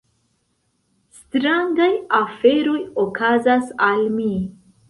Strangaj aferoj okazas al mi.